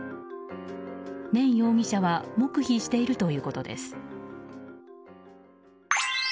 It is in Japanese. ネン容疑者は黙秘しているということです。